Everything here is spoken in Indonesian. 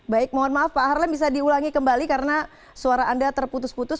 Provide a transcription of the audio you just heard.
baik mohon maaf pak harlem bisa diulangi kembali karena suara anda terputus putus